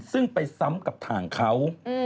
ซึ่งไปซ้ำกับทางเขา